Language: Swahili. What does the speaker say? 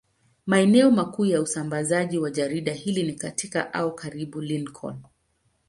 Maeneo makuu ya usambazaji wa jarida hili ni katika au karibu na Lincoln.